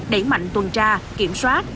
đẩy mạnh tuần tra kiểm soát